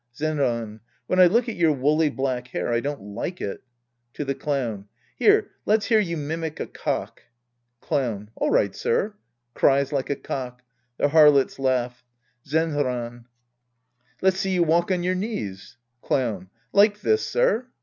Zenran. When I look at your woolly black liair, I don't like it. {To the Clown.) Here, let's hear you mimic a cock. Clown. All right, sir. {Cries like a cock. The Harlots laugh.) Zenran. Let's see you walk on your knees. Clown. Like this, sir